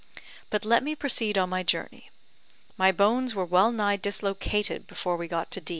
"But let me proceed on my journey. My bones were well nigh dislocated before we got to D